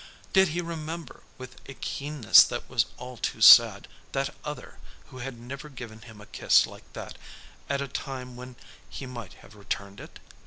Did he remember, with a keenness that was all too sad, that other, who had never given him a kiss like that at a time when he might have returned it?